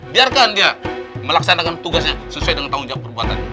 biarkan dia melaksanakan tugasnya sesuai dengan tanggung jawab perbuatan